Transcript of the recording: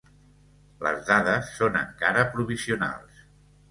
Les dades són encara provisionals.